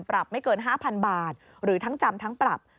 ไม่เกิน๕๐๐๐บาทหรือทั้งจำทั้งปรับ